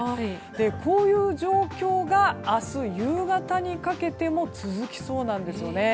こういう状況が明日夕方にかけても続きそうなんですよね。